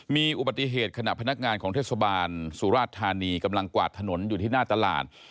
มีอุบัติเหตุขณะพนักงานของเทศบาลสุราชธานีกำลังกวาดถนนอยู่ที่หน้าตลาด